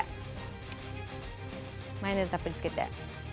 マヨネーズたっぷりつけて。